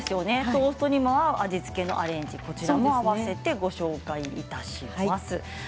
トーストにも合う味付けのアレンジそちらも合わせてご紹介いたします。